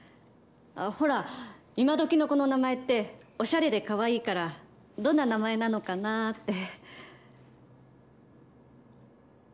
ほら、今時の子の名前っておしゃれで可愛いからどんな名前なのかなって。